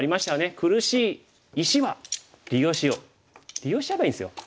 「苦しい石は利用しよう」利用しちゃえばいいんですよ。